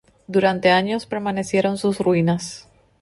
Durante años permanecieron sus ruinas.